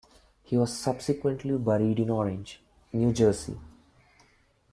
He was subsequently buried in Orange, New Jersey.